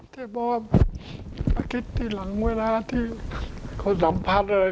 เท่าบอกว่าอาคิดที่หลังเวลาที่เขาสัมพันธ์อะไร